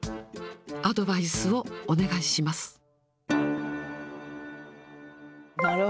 アドバイスをお願いします。